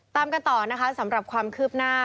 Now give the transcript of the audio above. ตามกันต่อนะคะสำหรับความคืบหน้า